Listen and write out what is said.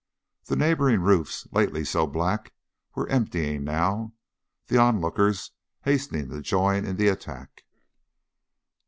The neighboring roofs, lately so black, were emptying now, the onlookers hastening to join in the attack.